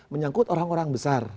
menyangkut orang orang besar